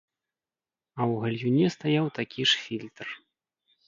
А ў гальюне стаяў такі ж фільтр.